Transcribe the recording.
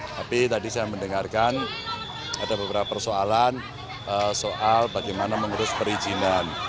tapi tadi saya mendengarkan ada beberapa persoalan soal bagaimana mengurus perizinan